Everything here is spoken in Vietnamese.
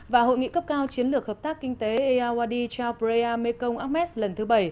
và hội nghị cấp cao chiến lược hợp tác kinh tế eawadi chao preah mekong akmes lần thứ bảy